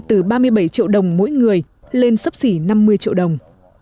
từ ba mươi bảy triệu đồng mỗi người lên sấp xỉ năm mươi triệu đồng